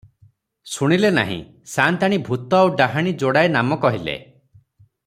ଶୁଣିଲେ ନାହିଁ, ସାଆନ୍ତାଣୀ ଭୂତ ଆଉ ଡାହାଣୀ ଯୋଡାଏ ନାମ କହିଲେ ।"